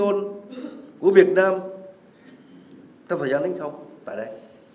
tập thời gian đến sau tại đây